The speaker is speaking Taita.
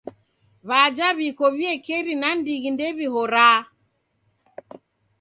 W'aja w'iko w'iekeri nandighi ndew'ihoraa.